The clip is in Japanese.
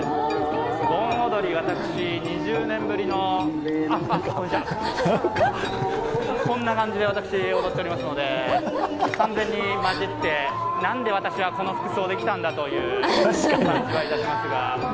盆踊り、私２０年ぶりのこんな感じで私、踊っておりますので完全にまじって、なんで私がこの服装で来たんだという気がいたしますが。